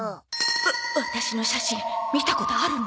ワワタシの写真見たことあるの？